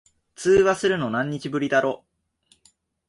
通話するの、何日ぶりだろ。